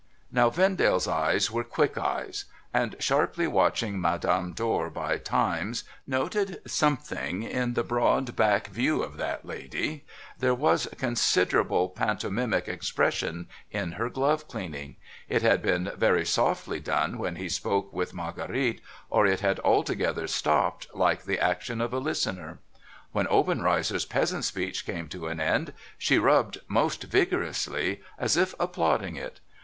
Now, Vendale's eyes were quick eyes, and sharply watching Madame Dor by times, noted something in the broad back vjew of TELEGRAPHIC COMMUNICATION 501 that lady. There was considerable pantomimic expression in her glove cleaning. It had been very softly done when he spoke with Marguerite, or it had altogether stopped, like the action of a listener. AVhen Obenreizer's peasant speech came to an end, she rubbed most vigorously, as if applauding it.